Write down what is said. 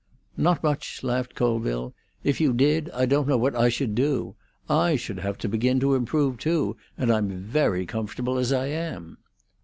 "Not much," laughed Colville. "If you did, I don't know what I should do. I should have to begin to improve too, and I'm very comfortable as I am."